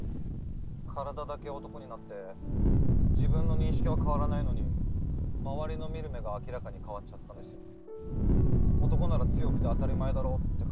体だけ男になって自分の認識は変わらないのに周りの見る目が明らかに変わっちゃったんですよ。